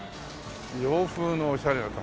洋風のおしゃれな。